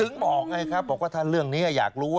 บอกไงครับบอกว่าถ้าเรื่องนี้อยากรู้